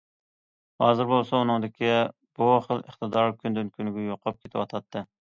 ھازىر بولسا ئۇنىڭدىكى بۇ خىل ئىقتىدار كۈندىن- كۈنگە يوقاپ كېتىۋاتاتتى.